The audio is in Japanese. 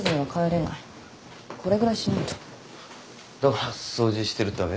だから掃除してるってわけ？